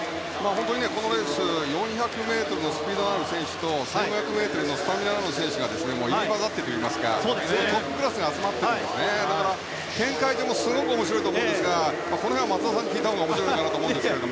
このレースは、本当に４００ｍのスピードある選手と１５００ｍのスタミナのある選手が入り交ざってといいますかトップクラスが集まっていてだから、展開がすごく面白いと思うんですがこの辺は松田さんに聞いたほうが面白いかなと思います。